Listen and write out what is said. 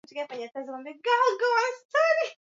makundi ya hali ya kijamii yalitambulike katika mkataba huo